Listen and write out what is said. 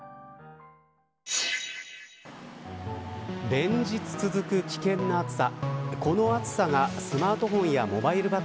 連日続く危険な暑さ。